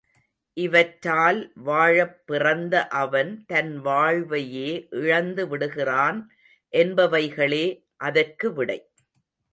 இவற்றால் வாழப் பிறந்த அவன் தன் வாழ்வையே இழந்துவிடுகிறான் என்பவைகளே அதற்கு விடை.